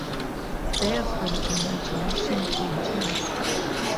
Bear from Imagination Ventures.